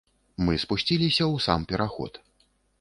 Мы спусціліся ў сам пераход.